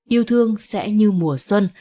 yêu thương sẽ như mùa xuân